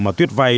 mà tuyết vay